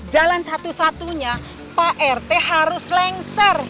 jalan satu satunya pak rt harus lengser